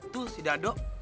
tuh si dado